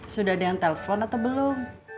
sudah ada yang telpon atau belum